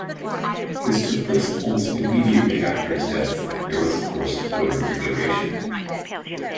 This took place almost immediately after his death (there was of course no refrigeration).